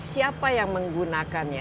siapa yang menggunakannya